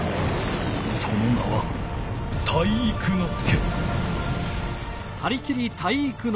その名は体育ノ介！